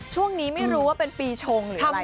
ช่วงนี้ไม่รู้ว่าเป็นปีชงหรือทำอะไร